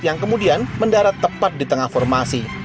yang kemudian mendarat tepat di tengah formasi